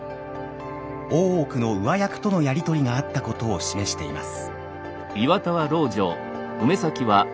大奥の上役とのやり取りがあったことを示しています。